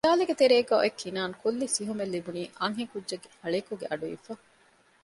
ހިޔާލެއްގެ ތެރޭގައި އޮތް ކިނާން ކުއްލި ސިހުމެއް ލިބުނީ އަންހެން ކުއްޖެއްގެ ހަޅޭކުގެ އަޑުއިވިފަ